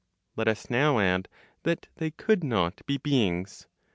Let us now add that they could not be beings.